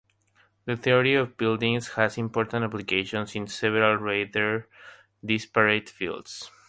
The theory of buildings has important applications in several rather disparate fields.